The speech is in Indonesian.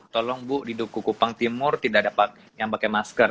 tolong bu di dukukupang timur tidak dapat yang pakai masker